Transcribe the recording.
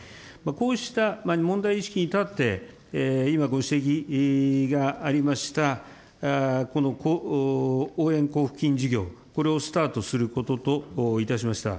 こうした問題意識に立って、今、ご指摘がありました、この応援交付金事業、これをスタートすることといたしました。